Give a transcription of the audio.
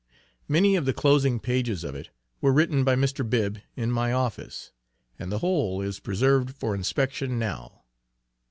Many of the closing pages of it were written by Mr. Bibb in my office. And the whole is preserved for inspection now.